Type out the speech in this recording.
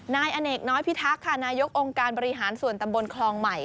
นายอเนกน้อยพิทักษ์ค่ะนายกองค์การบริหารส่วนตำบลคลองใหม่